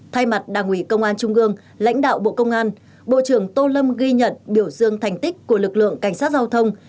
thay mặt đảng ủy công an trung gương lãnh đạo bộ công an bộ trưởng tô lâm ghi nhận biểu dương thành tích của lực lượng cảnh sát giao thông